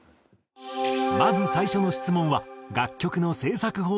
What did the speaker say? まず最初の質問は楽曲の制作方法について。